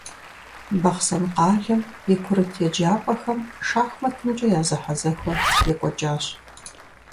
Бахъсэн къалэм и курыт еджапӀэхэм шахматымкӀэ я зэхьэзэхуэ екӀуэкӀащ.